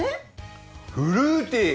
フルーティー！